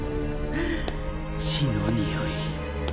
血のにおい